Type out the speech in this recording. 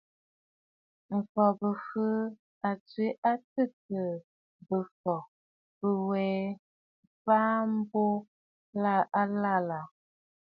M̀fɔ̀ Bɨ̀fɨɨ̀ à tswe a tɨtɨ̀ɨ bɨ̀fɔ̀ bîwè fàa mbùʼù àlaʼà.